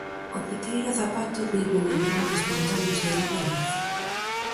O peteiro zapato viven en grandes pantanos de auga doce.